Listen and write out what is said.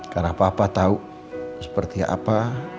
karena papa tau seperti apa